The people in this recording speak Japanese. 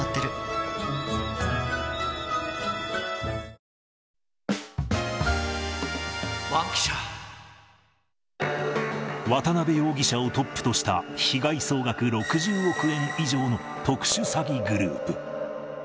糖質ゼロ渡辺容疑者をトップとした被害総額６０億円以上の特殊詐欺グループ。